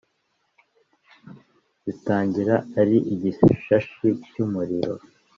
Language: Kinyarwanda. zitangira ari igishashi cy’umuriro